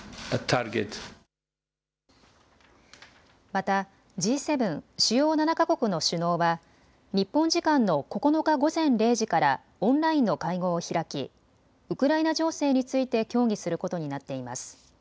またＧ７・主要７か国の首脳は日本時間の９日午前０時からオンラインの会合を開きウクライナ情勢について協議することになっています。